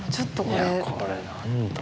いやこれ何だ。